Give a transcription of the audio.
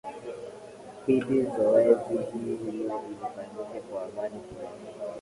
bidi zoezi hiyo lifanyike kwa amani pia